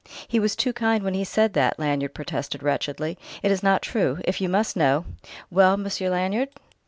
"He was too kind when he said that," Lanyard protested wretchedly. "It is not true. If you must know...." "Well, Monsieur Lanyard?"